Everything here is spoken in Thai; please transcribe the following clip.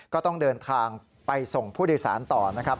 ก็ต้องเดินทางไปส่งผู้โดยสารต่อนะครับ